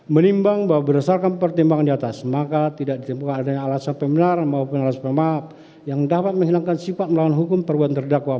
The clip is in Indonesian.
menimbang bahwa berdasarkan pertimbangan di atas maka tidak ditemukan adanya alasan pembenaran maupun alasan pemaaf yang dapat menghilangkan sifat melawan hukum perbuatan terdakwa